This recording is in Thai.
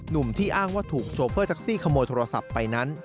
หนุ่มที่อ้างว่าถูกโชเฟอร์แท็กซี่ขโมยโทรศัพท์ไปนั้น